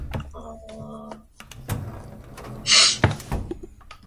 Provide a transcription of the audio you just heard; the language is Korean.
홍길동한테 팔러 가서 어떻게 된 줄 알아?